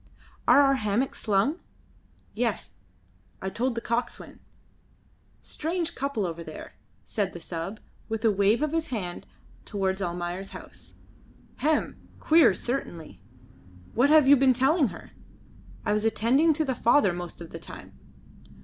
Are our hammocks slung?" "Yes, I told the coxswain. Strange couple over there," said the sub, with a wave of his hand towards Almayer's house. "Hem! Queer, certainly. What have you been telling her? I was attending to the father most of the time."